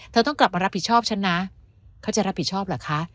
ต้องกลับมารับผิดชอบฉันนะเขาจะรับผิดชอบเหรอคะ